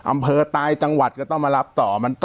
อำเภอตายจังหวัดก็ต้องมารับต่อ